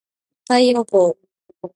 太陽光